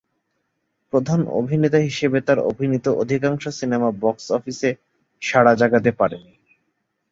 প্রধান অভিনেতা হিসেবে তার অভিনীত অধিকাংশ সিনেমা বক্স অফিসে সাড়া জাগাতে পারে নি।